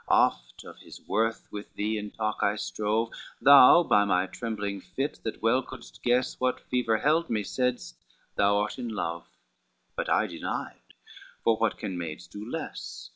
Oft of his worth with thee in talk I strove, Thou, by my trembling fit that well could'st guess What fever held me, saidst, 'Thou art in love;' But I denied, for what can maids do less?